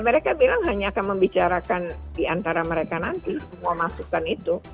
mereka bilang hanya akan membicarakan diantara mereka nanti semua masukan itu